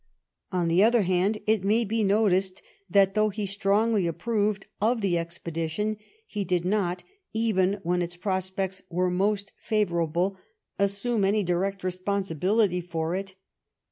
On the other hand, it may be noticed that though he strongly approved of the expedition, he did not, even when its prospects were most favourable, assume any direct responsibility for it.